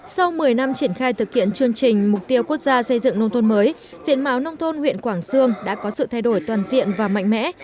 sau một mươi năm triển khai thực hiện chương trình mục tiêu quốc gia xây dựng nông thôn mới diện máu nông thôn huyện quảng sương đã có sự thay đổi toàn diện và mạnh mẽ